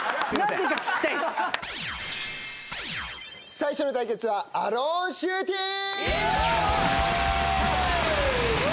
最初の対決はアローシューティング！